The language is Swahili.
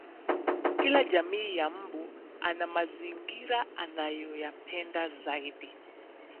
Kila jamii ya mbu ana mazingira anayoyapenda zaidi